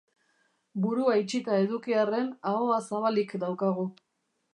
Burua itxita eduki arren ahoa zabalik daukagu.